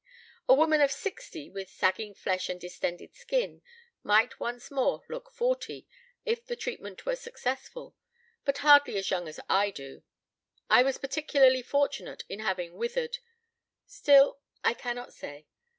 A woman of sixty, with sagging flesh and distended skin, might once more look forty, if the treatment were successful, but hardly as young as I do. I was particularly fortunate in having withered. Still, I cannot say.